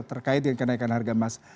terkait kenaikan harga emas